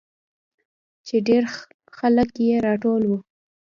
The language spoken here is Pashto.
چې ډېرخلک پې راټول وو.